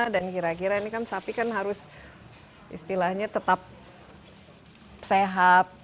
dan kira kira ini kan sapi harus tetap sehat